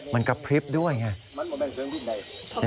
มันกระพริบด้วยไง